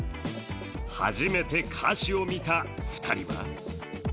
初めて歌詞を見た２人は。